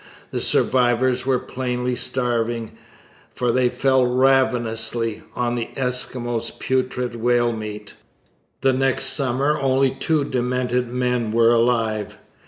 The survivors were plainly starving, for they fell ravenously on the Eskimos' putrid whale meat. The next summer only two demented men were alive.